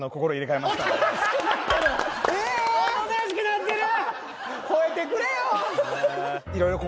おとなしくなってる！